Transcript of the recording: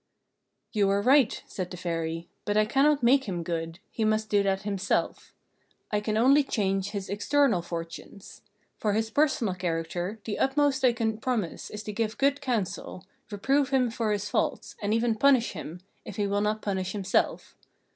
"You are right," said the Fairy; "but I cannot make him good: he must do that himself. I can only change his external fortunes. For his personal character, the utmost I can promise is to give good counsel, reprove him for his faults, and even punish him, if he will not punish himself.